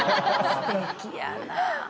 すてきやなあ。